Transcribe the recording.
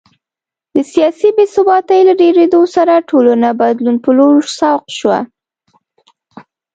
د سیاسي بې ثباتۍ له ډېرېدو سره ټولنه بدلون په لور سوق شوه